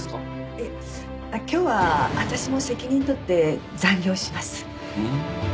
いえ今日は私も責任取って残業します。